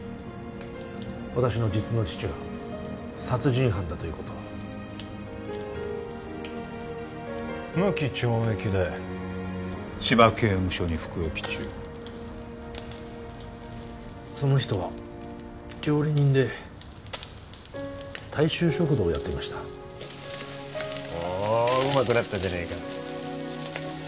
私の実の父が殺人犯だということを無期懲役で千葉刑務所に服役中その人は料理人で大衆食堂をやってましたおおうまくなったじゃねえか